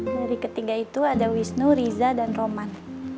hari ketiga itu ada wisnu riza dan roman